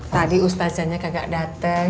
tadi ustazanya kagak dateng